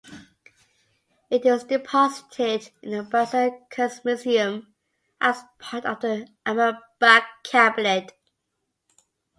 It is deposited in the Basler Kunstmuseum as part of the Amerbach Cabinet.